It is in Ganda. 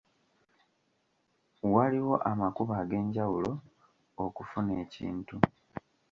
Waliwo amakubo ag'enjawulo okufuna ekintu.